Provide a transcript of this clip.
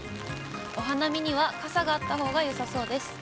お花見には傘があったほうがよさそうです。